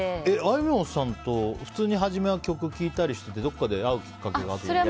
あいみょんさんと普通に初めは曲聴いたりしててどこかで会うきっかけが？